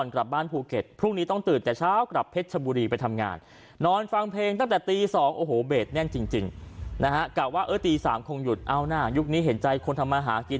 กลับว่าตี๓คงหยุดเอาหน้ายุคนี้เห็นใจคนทำมาหากิน